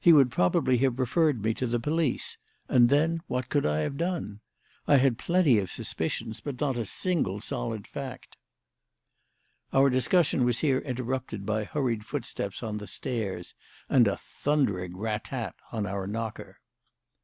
He would probably have referred me to the police, and then what could I have done? I had plenty of suspicions, but not a single solid fact." Our discussion was here interrupted by hurried footsteps on the stairs and a thundering rat tat on our knocker.